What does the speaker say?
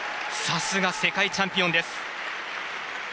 さすが世界チャンピオンです。